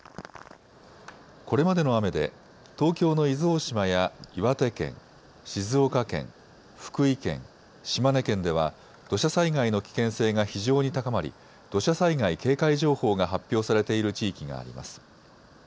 これまでの雨で東京の伊豆大島や岩手県、静岡県、福井県、島根県では土砂災害の危険性が非常に高まり土砂災害警戒情報が発表されている地域があります。